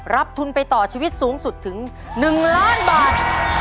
ทุนไปต่อชีวิตสูงสุดถึง๑ล้านบาท